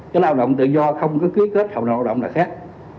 cái lao động tự do không có quyết kết hợp lao động là khác